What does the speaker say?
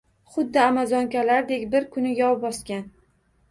Xuddi amazonkalardek. Bir kuni yov bosgan.